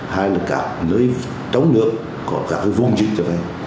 hay là cả nơi trống lượng có các vùng dịch trở về